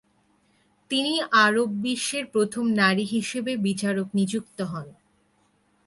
তিনি আরব বিশ্বের প্রথম নারী হিসেবে বিচারক নিযুক্ত হন।